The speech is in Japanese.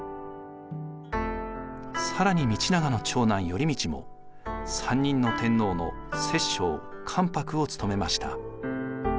更に道長の長男頼通も３人の天皇の摂政・関白を務めました。